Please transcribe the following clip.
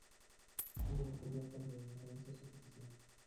Ella defendió con vehemencia su decisión.